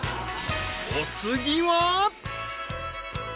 ［お次は］